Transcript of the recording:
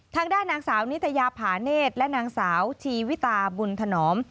ทางด้านนางสาวนิตยาผาเนธและนางสาวชีวิตาบุญถนอม